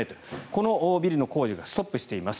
このビルの工事がストップしています。